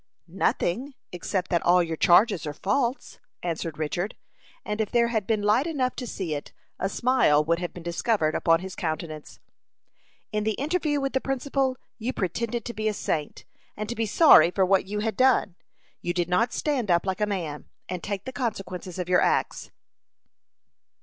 "Nothing, except that all your charges are false," answered Richard; and if there had been light enough to see it, a smile would have been discovered upon his countenance. "In the interview with the principal, you pretended to be a saint, and to be sorry for what you had done. You did not stand up like a man, and take the consequences of your acts."